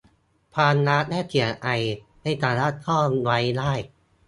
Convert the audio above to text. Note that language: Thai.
ความรักและเสียงไอ ไม่สามารถซ่อนไว้ได้